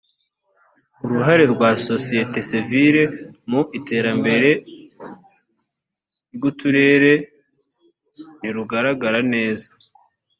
uruhare rwa sosiyete sivire mu iterambere ry’uturere ntirugaragara neza